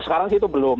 sekarang sih itu belum